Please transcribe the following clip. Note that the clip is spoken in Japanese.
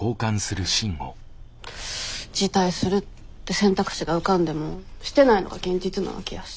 辞退するって選択肢が浮かんでもしてないのが現実なわけやし。